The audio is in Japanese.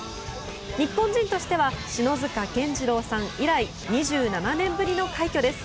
日本人としては篠塚建次郎さん以来２７年ぶりの快挙です。